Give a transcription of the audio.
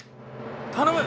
頼む！